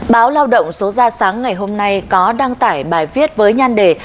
báo lao động số ra sáng ngày hôm nay có đăng tải bài viết với nhan đề